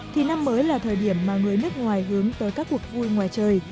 thì năm mới là thời điểm mà người nước ngoài hướng tới các cuộc vui ngoài trời